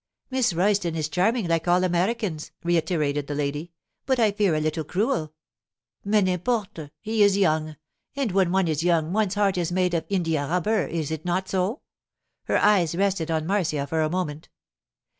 'Miss Royston is charming, like all Americans,' reiterated the lady. 'But, I fear, a little cruel. Mais n'importe. He is young, and when one is young one's heart is made of india rubber, is it not so?' Her eyes rested on Marcia for a moment.